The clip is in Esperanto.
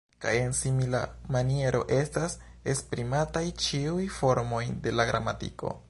Kaj en simila maniero estas esprimataj ĉiuj formoj de la gramatiko.